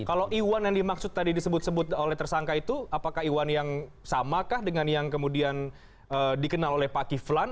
kalau iwan yang dimaksud tadi disebut sebut oleh tersangka itu apakah iwan yang samakah dengan yang kemudian dikenal oleh pak kiflan